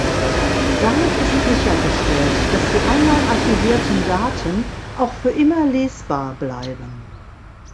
Damit ist sichergestellt, dass die einmal archivierten Daten auch für immer lesbar bleiben.